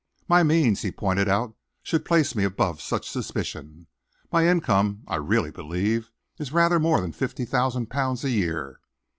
"My means," he pointed out, "should place me above such suspicion. My income, I really believe, is rather more than fifty thousand pounds a year.